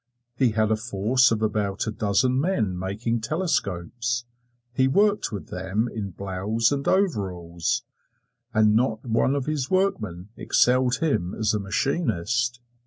He had a force of about a dozen men making telescopes. He worked with them in blouse and overalls, and not one of his workmen excelled him as a machinist.